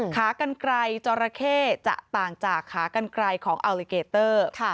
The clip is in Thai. ขากันไกลจอราเข้จะต่างจากขากันไกลของอัลลิเกเตอร์